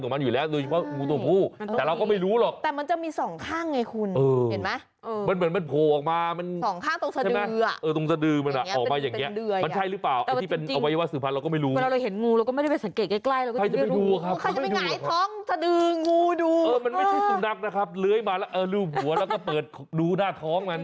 มันไม่ใช่สุดับนะครับเลื้อยมาแล้วลืมหัวแล้วก็เปิดดูหน้าท้องมัน